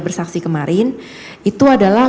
bersaksi kemarin itu adalah